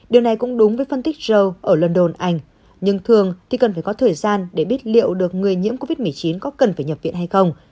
điều này cũng đúng với phân tích gow ở london anh nhưng thường thì cần phải có thời gian để biết liệu được người nhiễm covid một mươi chín có cần phải nhập viện hay không